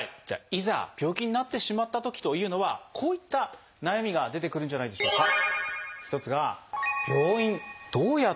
じゃあいざ病気になってしまったときというのはこういった悩みが出てくるんじゃないでしょうか。